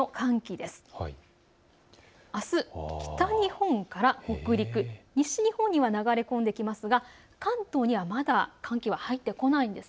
あす北日本から北陸、西日本には流れ込んできますが関東にはまだ寒気は入ってこないんです。